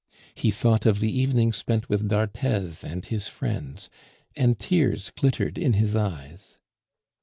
He thought of the evenings spent with d'Arthez and his friends, and tears glittered in his eyes.